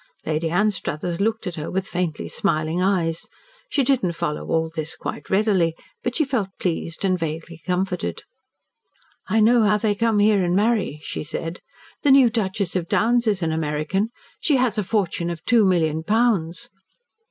Lady Anstruthers looked at her with faintly smiling eyes. She did not follow all this quite readily, but she felt pleased and vaguely comforted. "I know how they come here and marry," she said. "The new Duchess of Downes is an American. She had a fortune of two million pounds."